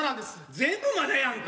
全部まだやんか。